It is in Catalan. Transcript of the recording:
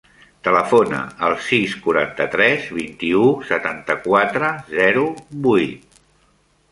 Telefona al sis, quaranta-tres, vint-i-u, setanta-quatre, zero, vuit.